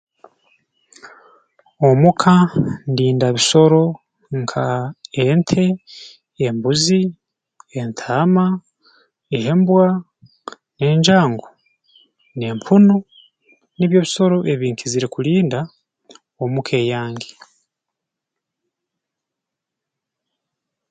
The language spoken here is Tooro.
Omuka ndinda bisoro nka ente embuzi entaama embwa enjangu n'empunu nibyo bisoro ebinkizire kulinda omu ka eyange